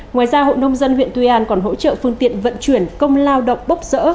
ngoài ra hội nông dân huyện tuy an còn hỗ trợ phương tiện vận chuyển công lao động bốc rỡ